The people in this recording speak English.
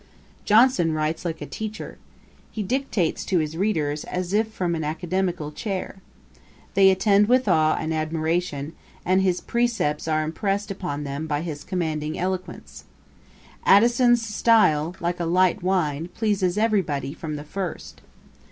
Johnson writes like a teacher. He dictates to his readers as if from an academical chair. They attend with awe and admiration; and his precepts are impressed upon them by his commanding eloquence. Addison's style, like a light wine, pleases everybody from the first.